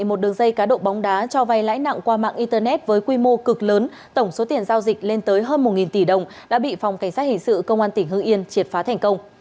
một đường dây cá độ bóng đá cho vay lãi nặng qua mạng internet với quy mô cực lớn tổng số tiền giao dịch lên tới hơn một tỷ đồng đã bị phòng cảnh sát hình sự công an tỉnh hưng yên triệt phá thành công